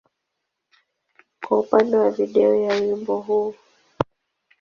kwa upande wa video ya wimbo huu.